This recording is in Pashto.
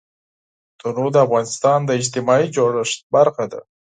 تنوع د افغانستان د اجتماعي جوړښت برخه ده.